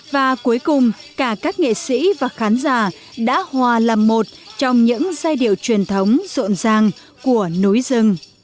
và cuối cùng cả các nghệ sĩ và khán giả đã hòa làm một trong những giai điệu truyền thống rộn ràng của núi rừng